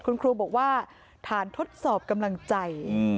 คุณครูบอกว่าฐานทดสอบกำลังใจ